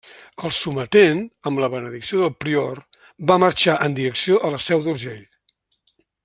El sometent, amb la benedicció del prior, va marxar en direcció a la Seu d'Urgell.